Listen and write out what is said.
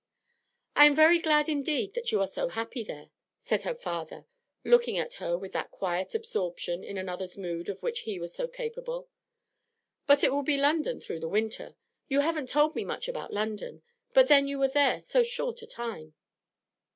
'I am very glad indeed that you are so happy there,' sail her father, looking at her with that quiet absorption in another's mood of which he was so capable. 'But it will be London through the winter. You haven't told me much about London; but then you were there so short a time.'